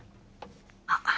あっ。